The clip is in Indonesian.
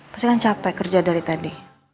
pasti kan capek kerja dari tadi